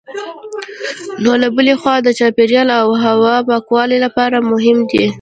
نو له بلې خوا د چاپېریال او هوا پاکوالي لپاره مهم دي.